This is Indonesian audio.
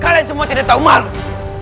kalian semua tidak tahu malu